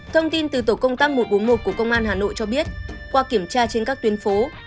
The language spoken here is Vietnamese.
thông tin từ tổ công tác một trăm bốn mươi một của công an hà nội cho biết qua kiểm tra trên các tuyến phố